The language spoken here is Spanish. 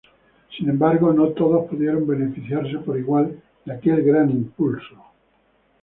Sin embargo, no todos pudieron beneficiarse por igual de aquel gran impulso.